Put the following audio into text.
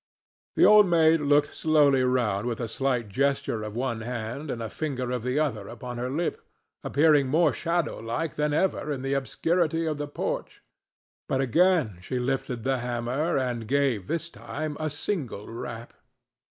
The Old Maid looked slowly round with a slight gesture of one hand and a finger of the other upon her lip, appearing more shadow like than ever in the obscurity of the porch. But again she lifted the hammer, and gave, this time, a single rap.